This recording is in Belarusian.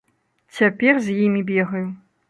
Цяпер з імі бегаю.